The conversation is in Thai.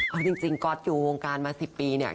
เอาจริงก๊อตอยู่วงการมา๑๐ปีเนี่ย